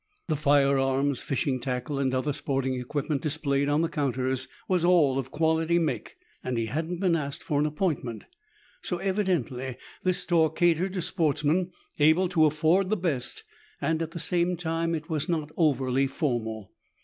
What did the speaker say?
The fire arms, fishing tackle and other sporting equipment displayed on the counters was all of quality make and he hadn't been asked for an appointment, so evidently this store catered to sportsmen able to afford the best and at the same time it was not overly formal.